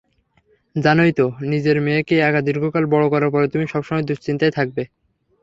জানোই তো, নিজের মেয়েকে একা দীর্ঘকাল বড় করার পরে তুমি সবসময় দুশ্চিন্তায় থাকবে।